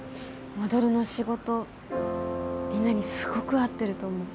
モデルの仕事リナにすごく合ってると思う。